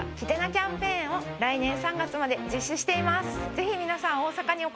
キャンペーンを来年３月まで実施しています。